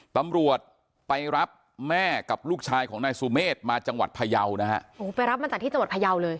ตำรวจไปรับแม่กับลูกชายของนายสุเมฆมาจังหวัดพยาวนะฮะโอ้ไปรับมาจากที่จังหวัดพยาวเลย